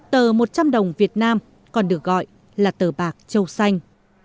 tờ một trăm linh đồng việt nam còn được gọi là tờ bạc châu xanh